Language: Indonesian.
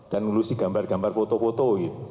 dan ngurusin gambar gambar foto foto